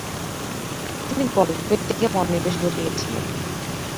তিনি গল্ফের দিকে মনোনিবেশ ঘটিয়েছিলেন।